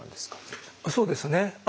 そうですね